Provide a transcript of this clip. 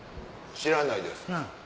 知らないです。